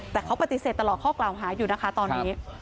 แต่เขาปฏิเสธตลอดข้อกล่าวหาอยู่นะคะตอนนี้